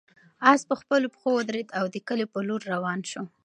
آس په خپلو پښو ودرېد او د کلي په لور روان شو.